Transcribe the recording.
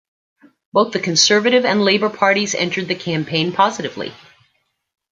Both the Conservative and Labour parties entered the campaign positively.